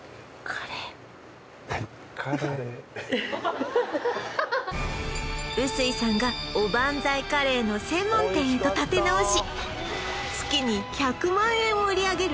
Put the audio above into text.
はい臼井さんがおばんざいカレーの専門店へと立て直し月に１００万円を売り上げる